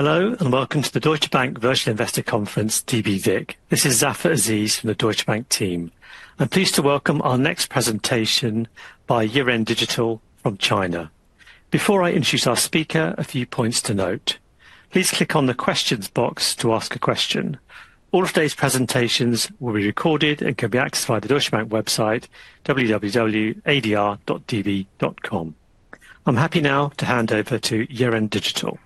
Hello and welcome to the Deutsche Bank Virtual Investor Conference, DVVIC. This is Zafar Aziz from the Deutsche Bank team. I'm pleased to welcome our next presentation by Yiren Digital from China. Before I introduce our speaker, a few points to note. Please click on the questions box to ask a question. All of today's presentations will be recorded and can be accessed via the Deutsche Bank website, www.adr.dv.com. I'm happy now to hand over to Yiren Digital.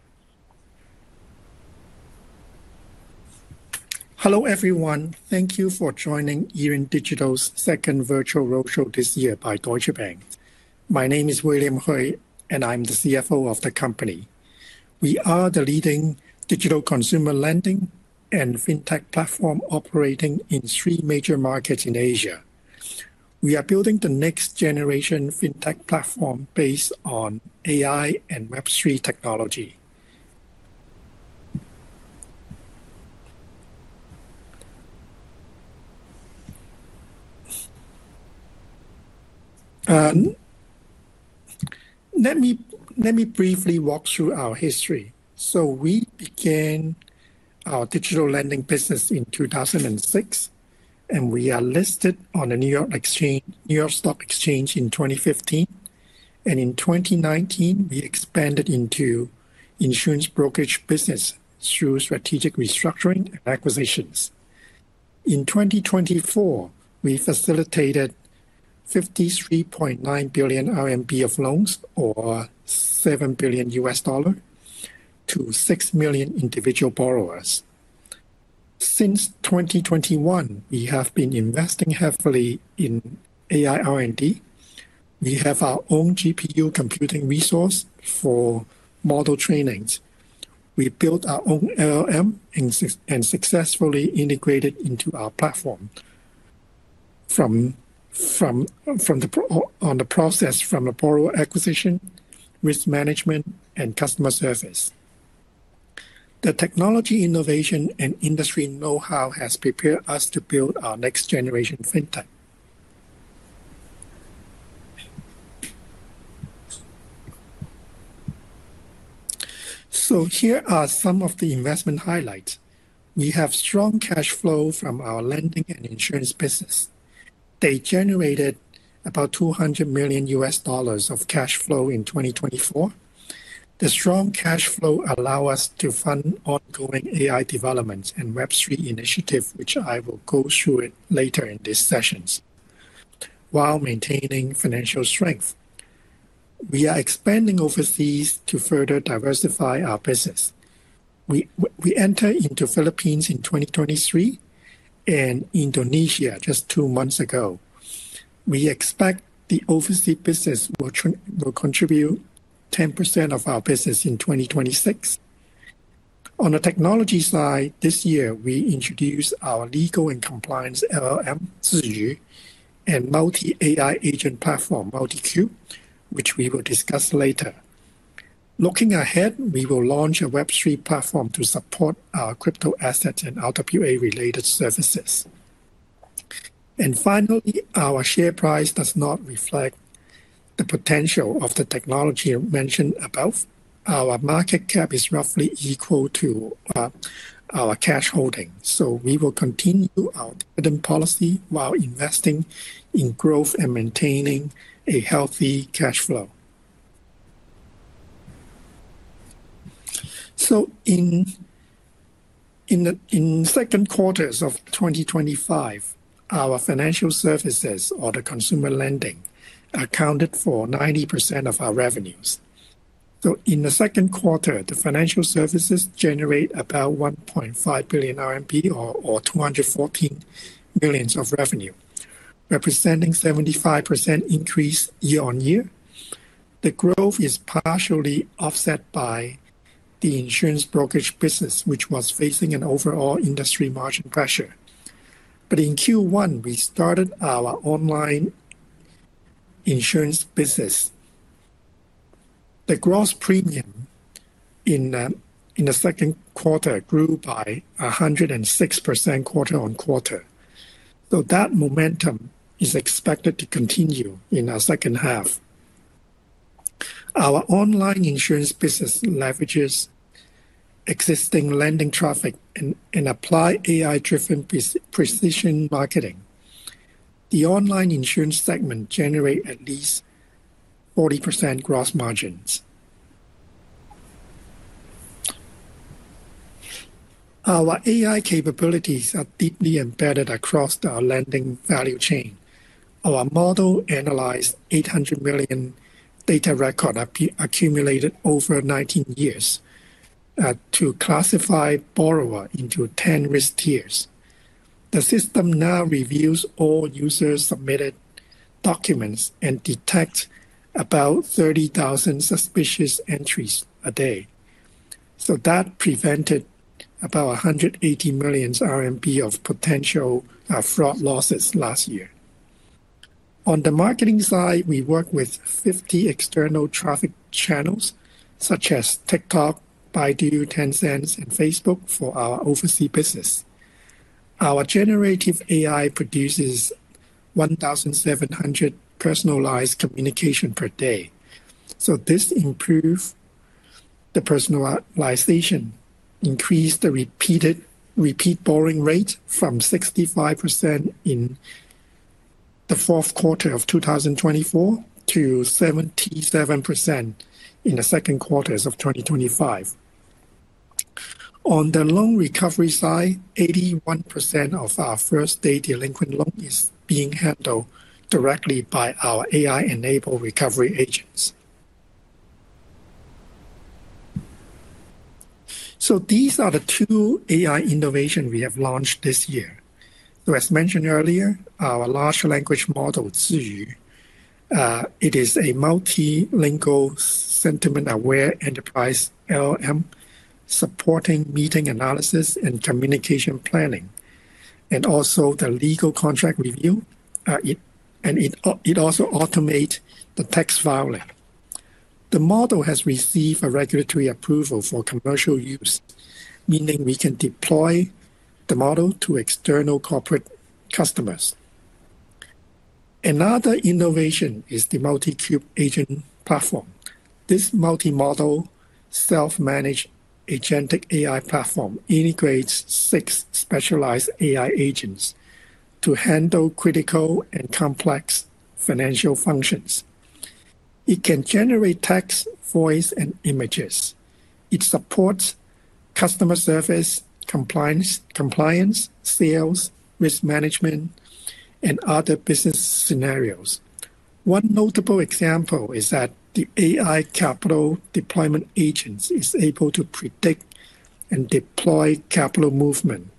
Hello everyone. Thank you for joining Yiren Digital's second virtual roadshow this year by Deutsche Bank. My name is William Hui and I'm the CFO of the company. We are the leading digital consumer lending and fintech platform operating in three major markets in Asia. We are building the next generation fintech platform based on AI and Web3 technology. Let me briefly walk through our history. So we began our digital lending business in 2006, and we are listed on the New York Stock Exchange in 2015. And in 2019, we expanded into insurance brokerage business through strategic restructuring and acquisitions. In 2024, we facilitated 53.9 billion RMB of loans, or RMB 7 billion. To six million individual borrowers. Since 2021, we have been investing heavily in AI R&D. We have our own GPU computing resource for model trainings. We built our own LLM and successfully integrated into our platform. From the process from the borrower acquisition, risk management, and customer service. The technology innovation and industry know-how has prepared us to build our next generation fintech. So here are some of the investment highlights. We have strong cash flow from our lending and insurance business. They generated about RMB 200 million of cash flow in 2024. The strong cash flow allows us to fund ongoing AI developments and Web3 initiatives, which I will go through later in this session. While maintaining financial strength. We are expanding overseas to further diversify our business. We entered into the Philippines in 2023 and Indonesia just two months ago. We expect the overseas business will contribute 10% of our business in 2026. On the technology side, this year we introduced our legal and compliance LLM, Zhu, and multi-AI agent platform, MultiQ, which we will discuss later. Looking ahead, we will launch a Web3 platform to support our crypto assets and RWA-related services. And finally, our share price does not reflect the potential of the technology mentioned above. Our market cap is roughly equal to our cash holding. So we will continue our dividend policy while investing in growth and maintaining a healthy cash flow. In the second quarter of 2025, our financial services, or the consumer lending, accounted for 90% of our revenues. In the second quarter, the financial services generated about 1.5 billion RMB, or 214 million, of revenue, representing a 75% increase year-on-year. The growth is partially offset by the insurance brokerage business, which was facing an overall industry margin pressure. But in Q1, we started our online insurance business. The gross premium in the second quarter grew by 106% quarter on quarter. So that momentum is expected to continue in our second half. Our online insurance business leverages, existing lending traffic and applies AI-driven precision marketing. The online insurance segment generates at least 40% gross margins. Our AI capabilities are deeply embedded across our lending value chain. Our model analyzed 800 million data records accumulated over 19 years. To classify borrowers into 10 risk tiers. The system now reviews all users' submitted documents and detects about 30,000 suspicious entries a day. So that prevented about 180 million RMB of potential fraud losses last year. On the marketing side, we work with 50 external traffic channels, such as TikTok, Baidu, Tencent, and Facebook, for our overseas business. Our generative AI produces 1,700 personalized communications per day. So this improved the personalization, increased the repeat borrowing rate from 65% in the fourth quarter of 2024 to 77% in the second quarter of 2025. On the loan recovery side, 81% of our first-day delinquent loan is being handled directly by our AI-enabled recovery agents. So these are the two AI innovations we have launched this year. So as mentioned earlier, our large language model, Zhu. It is a multilingual, sentiment-aware enterprise LLM, supporting meeting analysis and communication planning, and also the legal contract review. And it also automates the tax filing. The model has received regulatory approval for commercial use, meaning we can deploy the model to external corporate customers. Another innovation is the MultiQ Agent platform. This multi-model, self-managed agentic AI platform integrates six specialized AI agents to handle critical and complex financial functions. It can generate text, voice, and images. It supports customer service, compliance. Sales, risk management. And other business scenarios. One notable example is that the AI capital deployment agent is able to predict and deploy capital movement.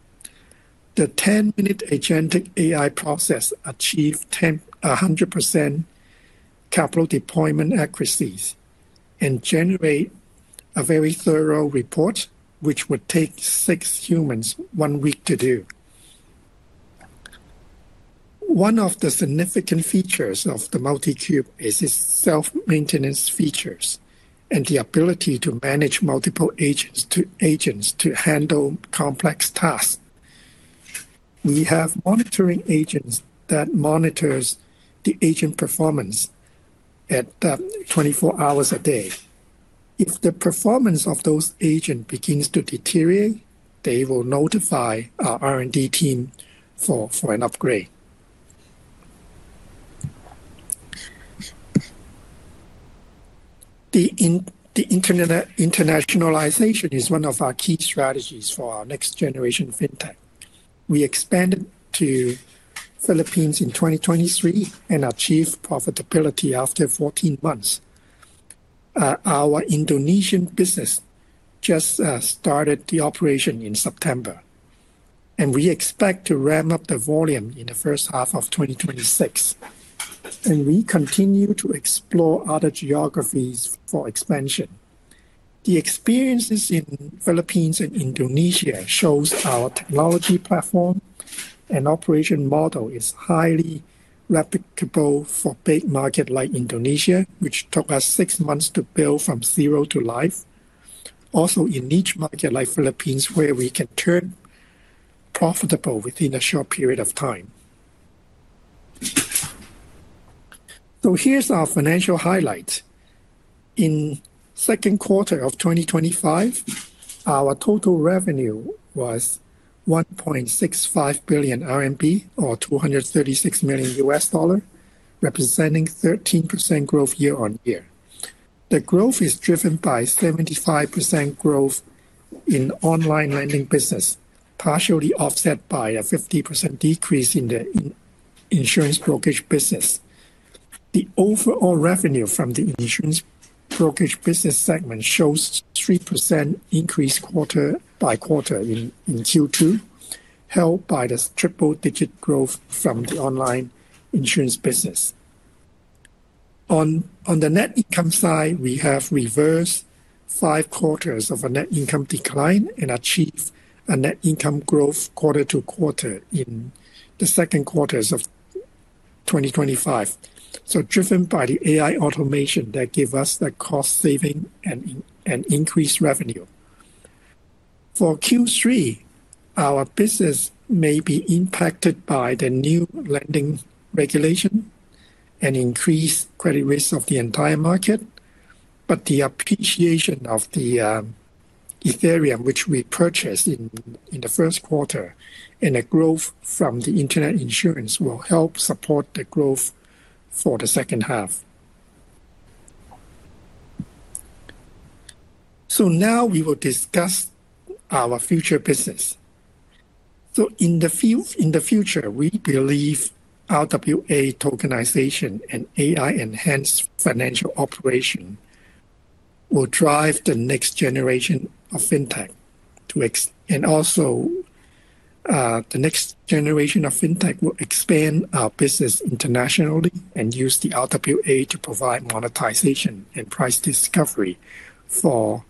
The 10-minute agentic AI process achieves 100% capital deployment accuracies. And generates a very thorough report, which would take six humans one week to do. One of the significant features of the MultiQ is its self-maintenance features and the ability to manage multiple agents to handle complex tasks. We have monitoring agents that monitor the agent performance 24 hours a day. If the performance of those agents begins to deteriorate, they will notify our R&D team for an upgrade. The internationalization is one of our key strategies for our next generation fintech. We expanded to the Philippines in 2023 and achieved profitability after 14 months. Our Indonesian business just started the operation in September. And we expect to ramp up the volume in the first half of 2026. And we continue to explore other geographies for expansion. The experiences in the Philippines and Indonesia show our technology platform. And operation model is highly replicable for big markets like Indonesia, which took us six months to build from zero to live. Also in niche markets like the Philippines, where we can turn profitable within a short period of time. So here's our financial highlights. In the second quarter of 2025. Our total revenue was 1.65 billion RMB, or RMB 236 million, representing 13% growth year-on-year. The growth is driven by 75% growth in the online lending business, partially offset by a 50% decrease in the insurance brokerage business. The overall revenue from the insurance brokerage business segment shows a 3% increase quarter by quarter in Q2, held by the triple-digit growth from the online insurance business. On the net income side, we have reversed five quarters of a net income decline and achieved a net income growth quarter to quarter in the second quarter of 2025. So driven by the AI automation that gives us that cost saving and increased revenue. For Q3, our business may be impacted by the new lending regulation and increased credit risk of the entire market. But the appreciation of the Ethereum, which we purchased in the first quarter, and the growth from the internet insurance will help support the growth for the second half. So now we will discuss our future business. So in the future, we believe RWA tokenization and AI-enhanced financial operation will drive the next generation of fintech. And also the next generation of fintech will expand our business internationally and use the RWA to provide monetization and price discovery for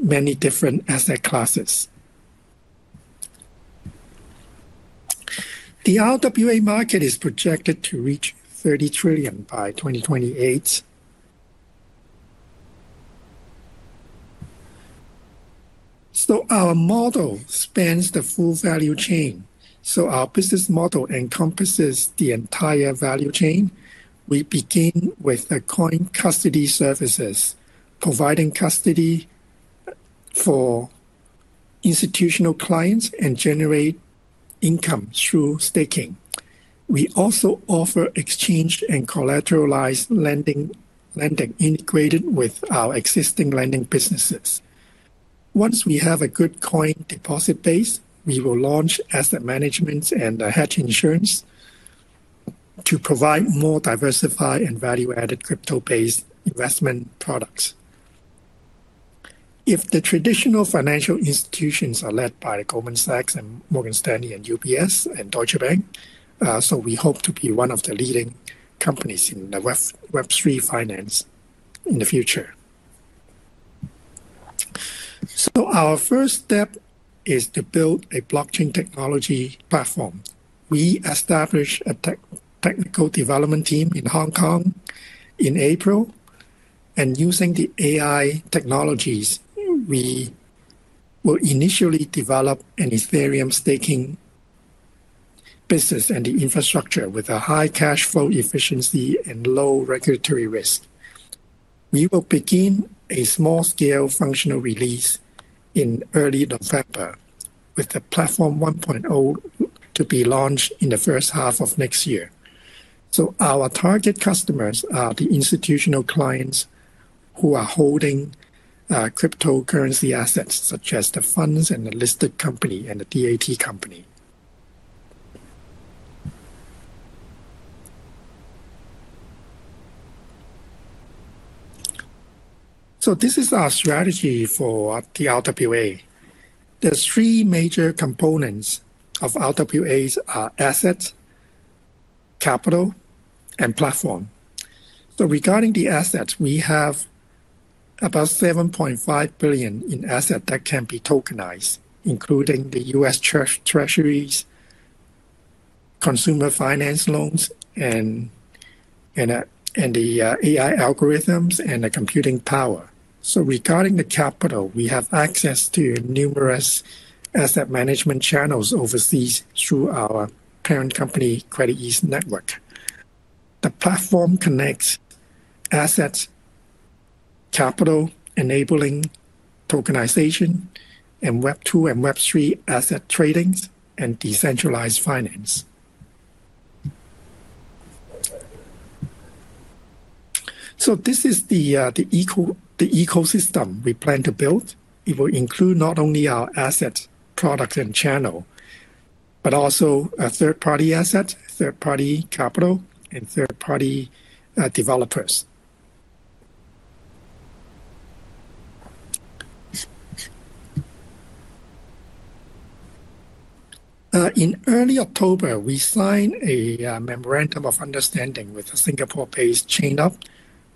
many different asset classes. The RWA market is projected to reach 30 trillion by 2028. So our model spans the full value chain. So our business model encompasses the entire value chain. We begin with the coin custody services, providing custody for institutional clients and generating income through staking. We also offer exchanged and collateralized lending integrated with our existing lending businesses. Once we have a good coin deposit base, we will launch asset management and hedge insurance to provide more diversified and value-added crypto-based investment products. If the traditional financial institutions are led by Goldman Sachs and Morgan Stanley and UBS and Deutsche Bank, so we hope to be one of the leading companies in the Web3 finance in the future. So our first step is to build a blockchain technology platform. We established a technical development team in Hong Kong in April. And using the AI technologies, we will initially develop an Ethereum staking business and the infrastructure with a high cash flow efficiency and low regulatory risk. We will begin a small-scale functional release in early November with the Platform 1.0 to be launched in the first half of next year. So our target customers are the institutional clients who are holding cryptocurrency assets, such as the funds and the listed company and the DAT company. So this is our strategy for the RWA. There are three major components of RWAs: assets, capital, and platform. So regarding the assets, we have about 7.5 billion in assets that can be tokenized, including the U.S. Treasuries, consumer finance loans, and the AI algorithms, and the computing power. So regarding the capital, we have access to numerous asset management channels overseas through our parent company, CreditEase Network. The platform connects assets, capital, enabling tokenization, and Web2 and Web3 asset trading and decentralized finance. So this is the ecosystem we plan to build. It will include not only our assets, products, and channels, but also third-party assets, third-party capital, and third-party developers. In early October, we signed a memorandum of understanding with a Singapore-based ChainUp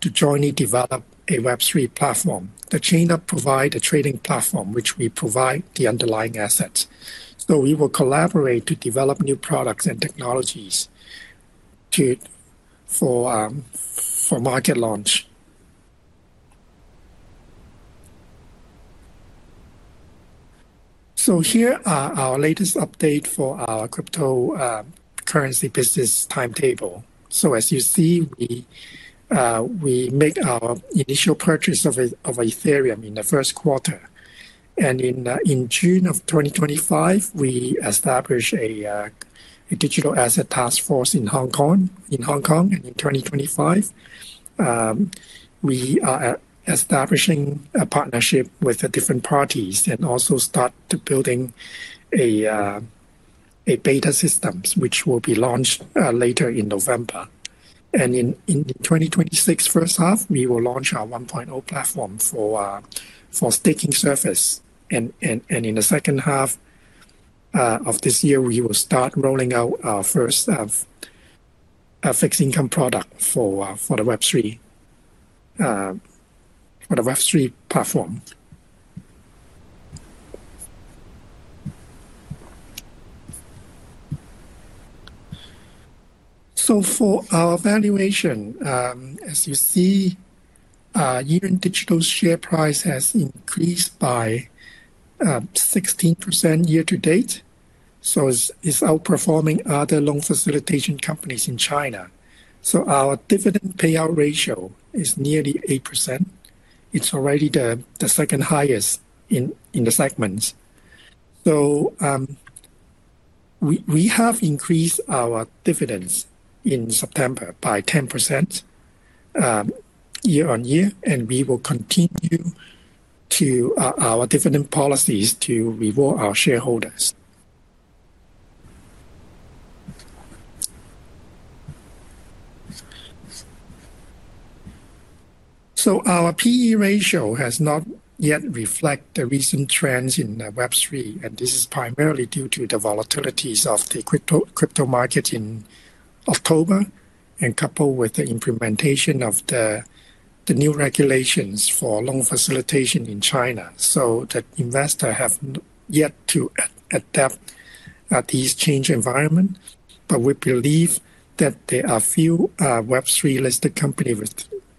to jointly develop a Web3 platform. The ChainUp provides a trading platform, which we provide the underlying assets. So we will collaborate to develop new products and technologies for market launch. So here are our latest updates for our cryptocurrency business timetable. So as you see, we make our initial purchase of Ethereum in the first quarter. And in June of 2025, we established a digital asset task force in Hong Kong. And in 2025 we are establishing a partnership with different parties and also started building a beta system, which will be launched later in November. And in the 2026 first half, we will launch our 1.0 platform for staking service. And in the second half of this year, we will start rolling out our first fixed-income product for the Web3 platform. So for our valuation, as you see, Yiren Digital's share price has increased by 16% year-to-date. So it's outperforming other loan facilitation companies in China. So our dividend payout ratio is nearly 8%. It's already the second highest in the segments. So we have increased our dividends in September by 10% year-on-year, and we will continue to our dividend policies to reward our shareholders. So our PE ratio has not yet reflected the recent trends in the Web3, and this is primarily due to the volatilities of the crypto market in October, coupled with the implementation of the new regulations for loan facilitation in China. So the investors have yet to adapt to these changing environments, but we believe that there are few Web3-listed companies.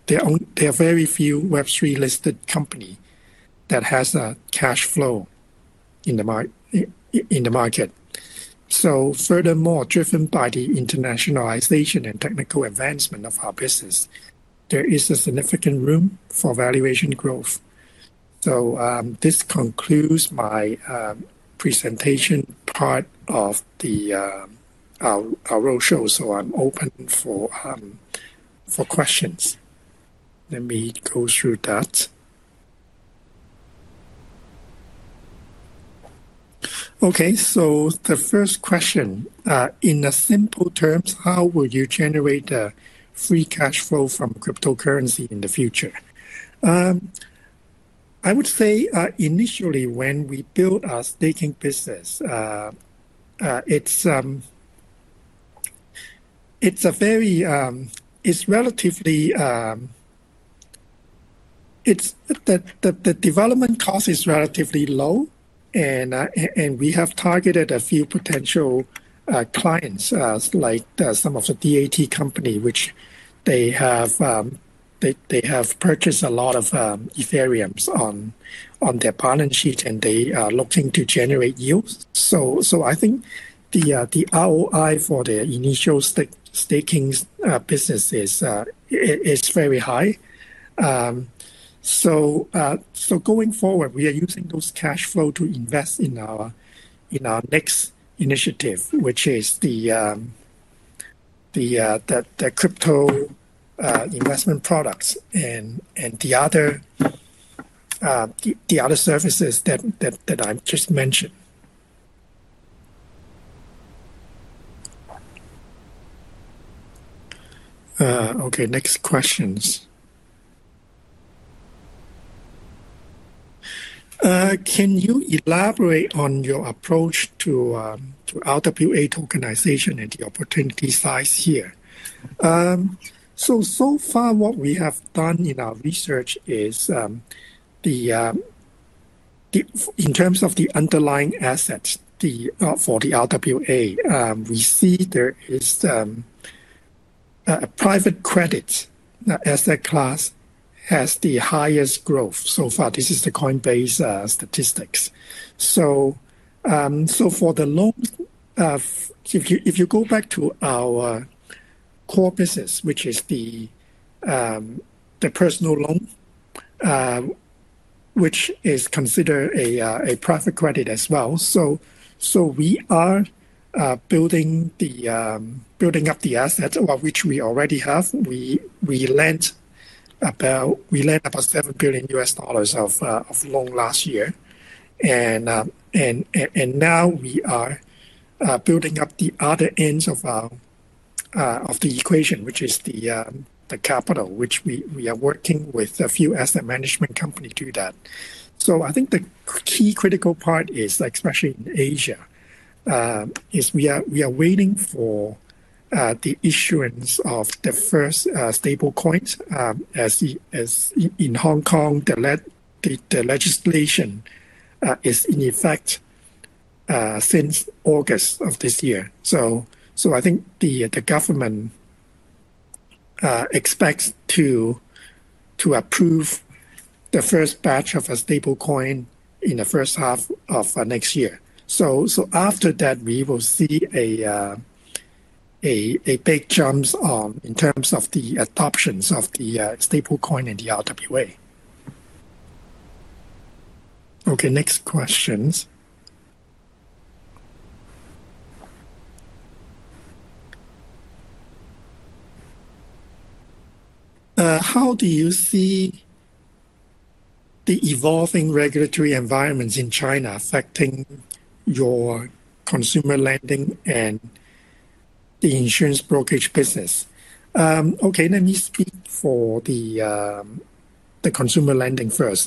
There are very few Web3-listed companies that have cash flow in the market. So furthermore, driven by the internationalization and technical advancement of our business, there is a significant room for valuation growth. So this concludes my presentation part of our roadshow, so I'm open for questions. Let me go through that. Okay, so the first question. In simple terms, how will you generate free cash flow from cryptocurrency in the future? I would say, initially, when we built our staking business. It's relatively. The development cost is relatively low, and we have targeted a few potential clients, like some of the DAT companies, which they have purchased a lot of Ethereum on their balance sheet, and they are looking to generate yield. So I think the ROI for the initial staking business is very high. So going forward, we are using those cash flows to invest in our next initiative, which is the crypto investment products and the other services that I've just mentioned. Okay, next questions. Can you elaborate on your approach to RWA tokenization and the opportunity size here? So far, what we have done in our research is. In terms of the underlying assets for the RWA, we see there is a private credit asset class has the highest growth so far. This is the Coinbase statistics. So for the loans. If you go back to our core business, which is the personal loan. Which is considered a private credit as well. So we are building up the assets which we already have. We lent about RMB 7 billion of loans last year. And now we are building up the other end of the equation, which is the capital, which we are working with a few asset management companies to do that. So I think the key critical part, especially in Asia, is we are waiting for the issuance of the first stablecoins. In Hong Kong, the legislation is in effect since August of this year. So I think the government expects to approve the first batch of a stablecoin in the first half of next year. So after that, we will see a big jump in terms of the adoptions of the stablecoin and the RWA. Okay, next questions. How do you see the evolving regulatory environments in China affecting your consumer lending and the insurance brokerage business? Okay, let me speak for the consumer lending first.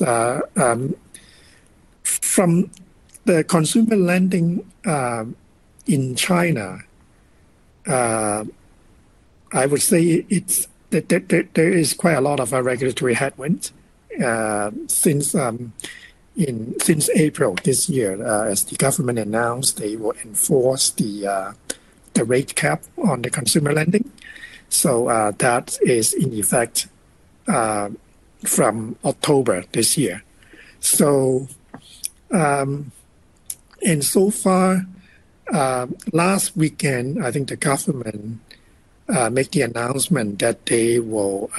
From the consumer lending in China, I would say there is quite a lot of regulatory headwinds since April this year. As the government announced, they will enforce the rate cap on the consumer lending. So that is in effect from October this year. And so far, last weekend, I think the government made the announcement that they will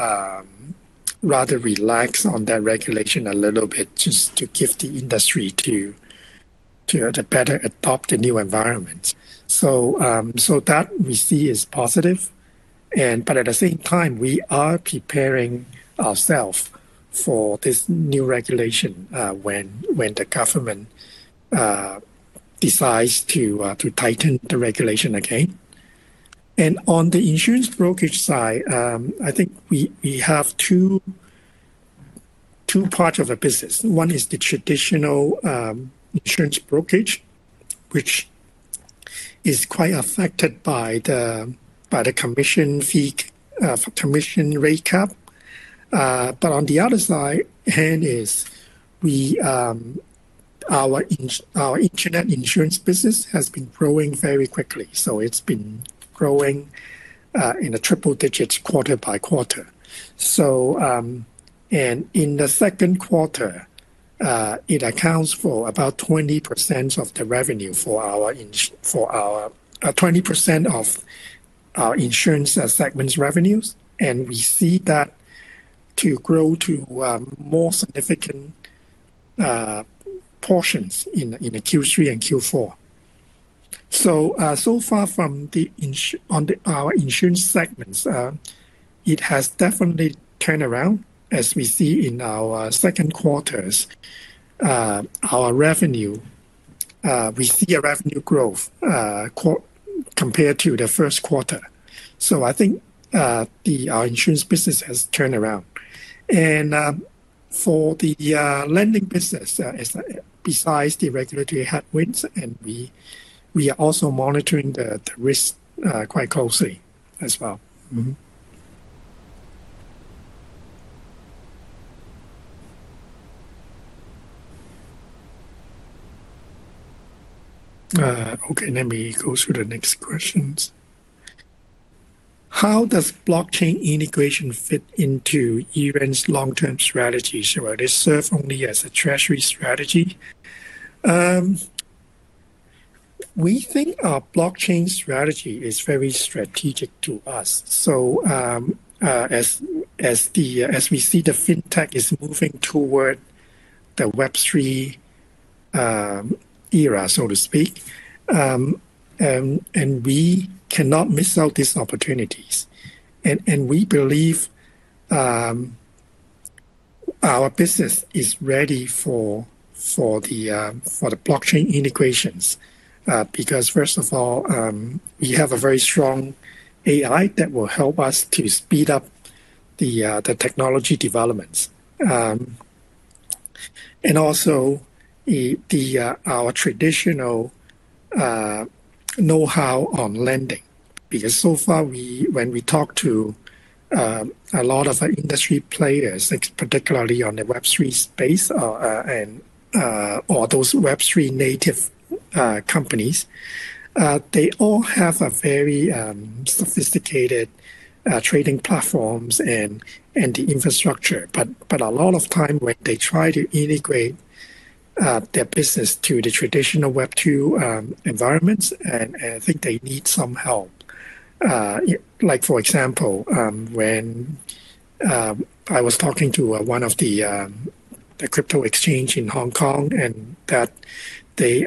rather relax on that regulation a little bit just to give the industry to better adopt the new environment. So that we see is positive. But at the same time, we are preparing ourselves for this new regulation when the government decides to tighten the regulation again. And on the insurance brokerage side, I think we have two parts of the business. One is the traditional insurance brokerage, which is quite affected by the commission rate cap. But on the other side hand, our internet insurance business has been growing very quickly. So it's been growing in a triple-digit quarter by quarter. And in the second quarter, it accounts for about 20% of our insurance segment's revenues. And we see that to grow to more significant portions in Q3 and Q4. So far from our insurance segments, it has definitely turned around. As we see in our second quarter, our revenue, we see a revenue growth compared to the first quarter. So I think our insurance business has turned around. And for the lending business, besides the regulatory headwinds, and we are also monitoring the risk quite closely as well. Okay, let me go through the next questions. How does blockchain integration fit into Yiren's long-term strategy? Should it serve only as a treasury strategy? We think our blockchain strategy is very strategic to us. So as we see the fintech is moving toward the Web3 era, so to speak. And we cannot miss out these opportunities. And we believe our business is ready for. The blockchain integrations because, first of all, we have a very strong AI that will help us to speed up the technology developments. And also our traditional know-how on lending because so far, when we talk to a lot of industry players, particularly on the Web3 space or those Web3 native companies, they all have very sophisticated trading platforms and the infrastructure. But a lot of times when they try to integrate their business to the traditional Web2 environments, I think they need some help. For example, when I was talking to one of the crypto exchanges in Hong Kong, and they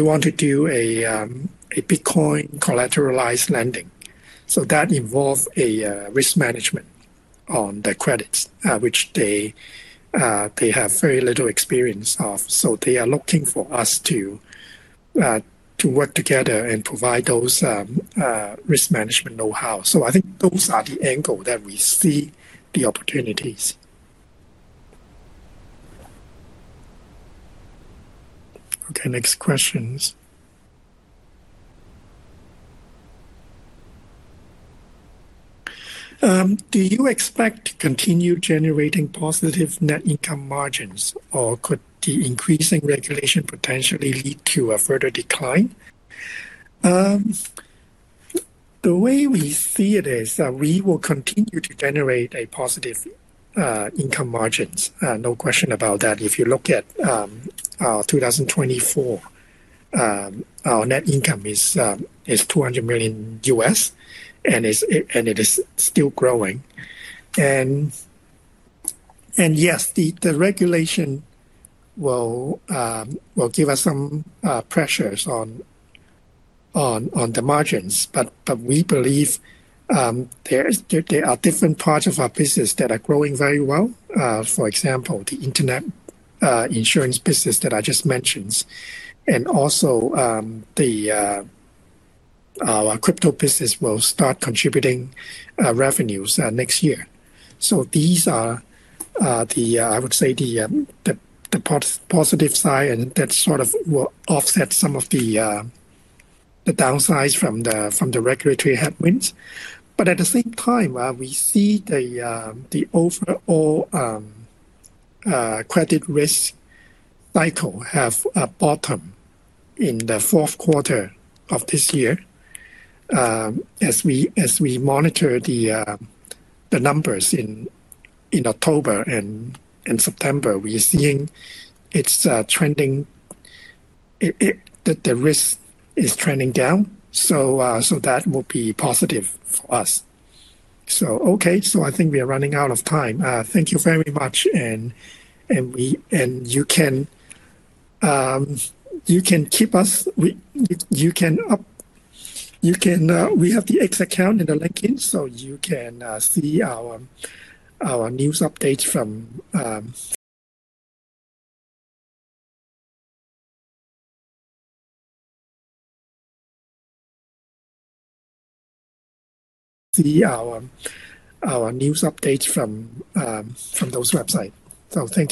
want to do a Bitcoin collateralized lending. So that involves risk management on the credits, which they have very little experience of. So they are looking for us to work together and provide those risk management know-how. So I think those are the angles that we see the opportunities. Okay, next questions. Do you expect to continue generating positive net income margins, or could the increasing regulation potentially lead to a further decline? The way we see it is we will continue to generate positive income margins. No question about that. If you look at 2024, our net income is 200 million, and it is still growing. Yes, the regulation will give us some pressures on the margins. But we believe there are different parts of our business that are growing very well. For example, the internet insurance business that I just mentioned, and also our crypto business will start contributing revenues next year. So these are, I would say, the positive side, and that sort of will offset some of the downsides from the regulatory headwinds. But at the same time, we see the overall credit risk cycle have bottomed in the fourth quarter of this year. As we monitor the numbers in October and September, we are seeing it's trending. The risk is trending down. So that will be positive for us. So, okay, I think we are running out of time. Thank you very much. And you can keep us. We have the X account and the LinkedIn, so you can see our news updates from those websites. So thank you.